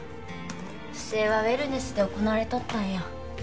不正はウェルネスで行われとったんやよ